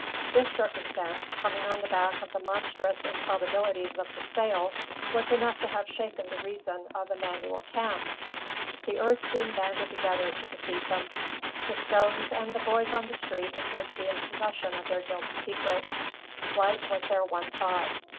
This circumstance, coming on the back of the monstrous improbabilities of the sale, was enough to have shaken the reason of Immanuel Kant. The earth seemed banded together to defeat them; the stones and the boys on the street appeared to be in possession of their guilty secret. Flight was their one thought.